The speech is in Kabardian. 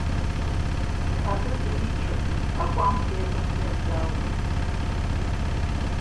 Абы зричырт, къэкӀуам пежьэрти, езауэрт.